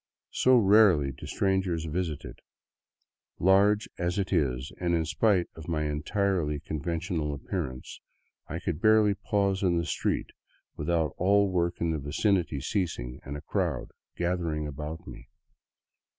So rarely do strangers visit it that, large as it is and in spite of my entirely con ventional appearance, I could barely pause in the street without all work in the vicinity ceasing and a crowd gathering about me.